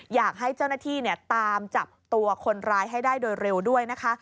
อยากให้เจ้าหน้าที่ตามจับตัวคนร้ายให้ได้โดยเร็วด้วยนะคะ